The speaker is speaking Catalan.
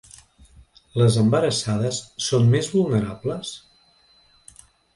Les embarassades són més vulnerables?